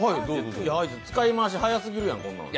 使い回し早すぎるやん、こんなん。